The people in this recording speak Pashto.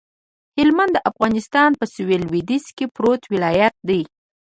هلمند د افغانستان په سویل لویدیځ کې پروت یو ولایت دی